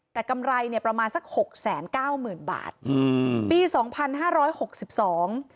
แต่กำไรเนี้ยประมาณสักหกแสนเก้าหมื่นบาทอืมปีสองพันห้าร้อยหกสิบสอง